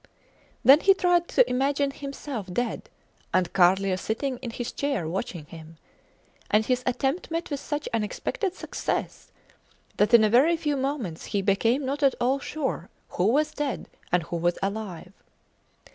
Then he tried to imagine himself dead, and Carlier sitting in his chair watching him; and his attempt met with such unexpected success, that in a very few moments he became not at all sure who was dead and who was alive.